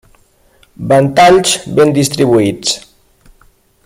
Ventalls ben distribuïts.